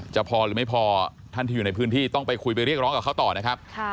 จะพอหรือไม่พอท่านที่อยู่ในพื้นที่ต้องไปคุยไปเรียกร้องกับเขาต่อนะครับ